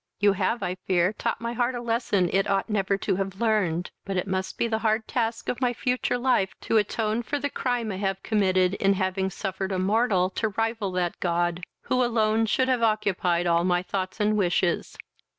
You have, I fear, taught my heart a lesson it ought never to have learned: but it must be the hard task of my future life to atone for the crime I have committed in having suffered a mortal to rival that God, who alone should have occupied all my thoughts and wishes."